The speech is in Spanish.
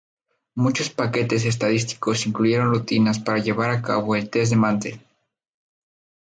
Muchos paquetes estadísticos incluyen rutinas para llevar a cabo el test de Mantel.